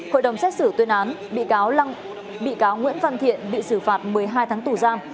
hội đồng xét xử tuyên án bị cáo nguyễn văn thiện bị xử phạt một mươi hai tháng tù giam